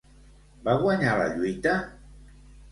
Va guanyar la lluita?